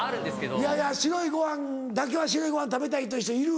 いやいや白いご飯だけは白いご飯食べたいという人いる。